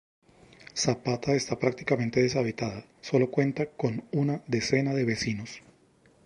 Zapata está prácticamente deshabitada, sólo cuenta con una decena de vecinos.